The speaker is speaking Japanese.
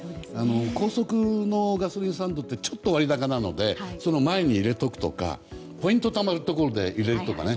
高速のガソリンスタンドってちょっと割高なのでその前に入れておくとかポイントがたまるところでとか。